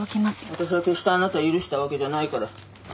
私は決してあなたを許したわけじゃないから。